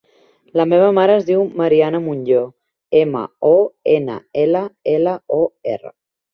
La meva mare es diu Mariana Monllor: ema, o, ena, ela, ela, o, erra.